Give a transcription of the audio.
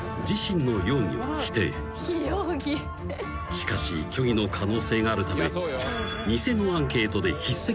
［しかし虚偽の可能性があるため］